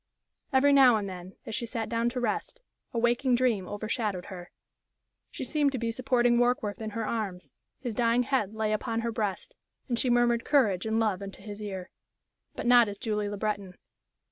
Every now and then, as she sat down to rest, a waking dream overshadowed her. She seemed to be supporting Warkworth in her arms; his dying head lay upon her breast, and she murmured courage and love into his ear. But not as Julie Le Breton.